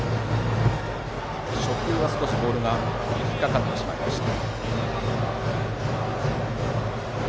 初球は少しボールが引っかかりました。